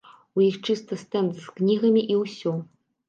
У іх чыста стэнд з кнігамі і ўсё.